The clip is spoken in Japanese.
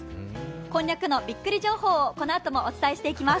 こんにゃくのびっくり情報を、このあともお伝えしていきます。